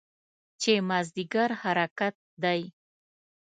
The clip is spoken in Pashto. چې مازدیګر حرکت دی.